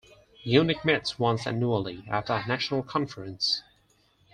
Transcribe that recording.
UniQ meets once annually at a national conference.